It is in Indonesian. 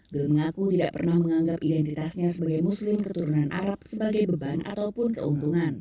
bill mengaku tidak pernah menganggap identitasnya sebagai muslim keturunan arab sebagai beban ataupun keuntungan